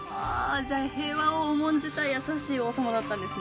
じゃあ平和を重んじた優しい王様だったんですね